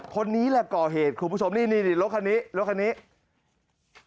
คนนี้แหละก่อเหตุคุณผู้ชมนี่นี่รถคันนี้รถคันนี้